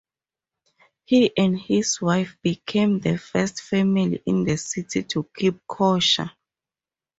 He and his wife became the first family in the city to keep kosher.